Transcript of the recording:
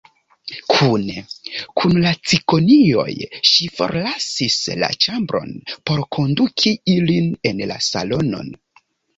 Kune kun la cikonioj ŝi forlasis la ĉambron, por konduki ilin en la salonon.